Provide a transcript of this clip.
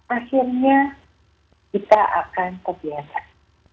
akhirnya kita akan kebiasaan